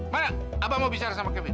mana abah mau bicara sama kevin